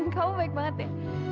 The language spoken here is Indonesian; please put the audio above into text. kamu baik banget ya